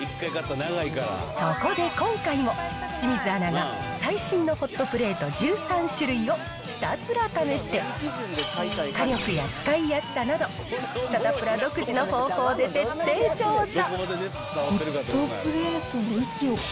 そこで今回も、清水アナが最新のホットプレート１３種類を、ひたすら試して、火力や使いやすさなど、サタプラ独自の方法で徹底調査。